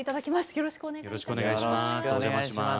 よろしくお願いします。